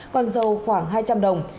còn dầu khoảng hai trăm linh đồng